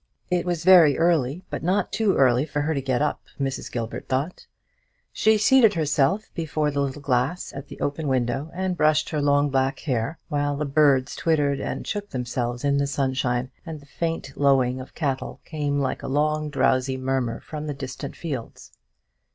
It was very early; but not too early for her to get up, Mrs. Gilbert thought. She seated herself before the little glass at the open window, and brushed her long black hair; while the birds twittered and shook themselves in the sunshine, and the faint lowing of cattle came like a long drowsy murmur from the distant fields.